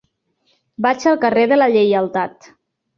Vaig al carrer de la Lleialtat.